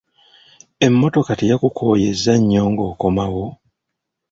Emmotoka teyakukooyezza nnyo ng'okomawo?